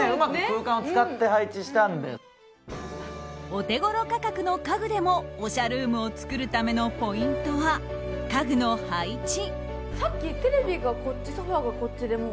お手ごろ価格の家具でもおしゃルームを作るためのポイントは、家具の配置。